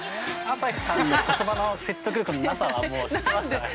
朝日さんの言葉の説得力のなさはもう、知ってますから。